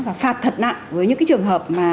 và phạt thật nặng với những trường hợp